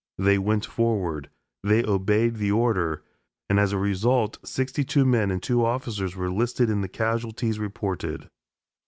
They went forward, they obeyed the order, and as a result sixty two men and two officers were listed in the casualties reported.